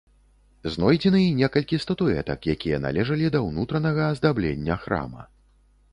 Знойдзены і некалькі статуэтак, якія належалі да ўнутранага аздаблення храма.